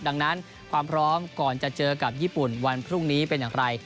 ดังนั้นความพร้อมก่อนจะเจอกับญี่ปุ่นวันพรุ่งนี้เป็นอย่างไร